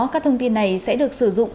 các thông tin này sẽ được sử dụng